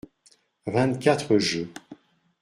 Vingt-quatre jeux.